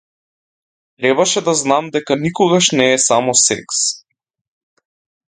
Требаше да знам дека никогаш не е само секс.